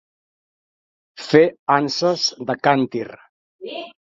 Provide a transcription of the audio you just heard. Fer anses de càntir.